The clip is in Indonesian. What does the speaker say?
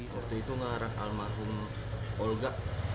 waktu itu ngarang almarhum olga